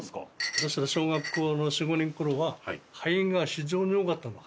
私が小学校の４５年頃はハエが非常に多かったの。